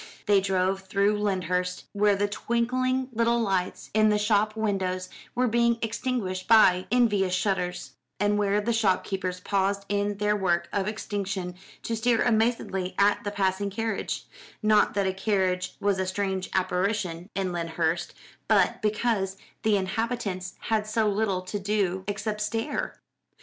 They drove through Lyndhurst, where the twinkling little lights in the shop windows were being extinguished by envious shutters, and where the shop keepers paused in their work of extinction to stare amazedly at the passing carriage; not that a carriage was a strange apparition in Lyndhurst, but because the inhabitants had so little to do except stare.